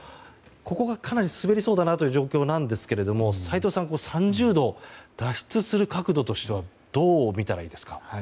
ここがかなり滑りそうだという状況ですけど斎藤さん、３０度脱出する角度としてはどう見たらいいでしょうか。